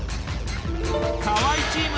河合チーム